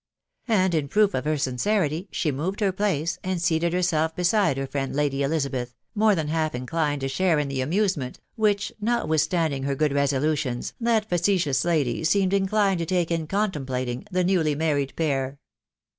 And, in proof of her sincerity, she moved her place, and seated herself beside her friend Lady Elizabeth, more than half inclined to share in the amusement, which, notwithstanding her good resolutions, that facetious lady seemed inclined to take in contemplating the newly married pair.